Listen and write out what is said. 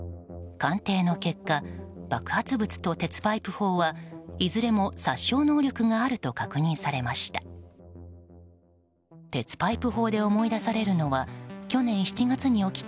鑑定の結果爆発物と鉄パイプ砲はいずれも殺傷能力があると確認されました。